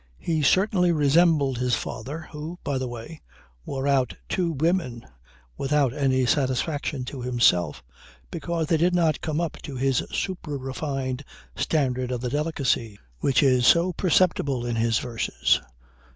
He certainly resembled his father, who, by the way, wore out two women without any satisfaction to himself, because they did not come up to his supra refined standard of the delicacy which is so perceptible in his verses.